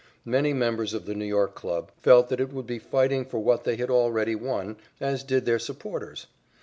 Many members of the New York club felt that it would be fighting for what they had already won, as did their supporters.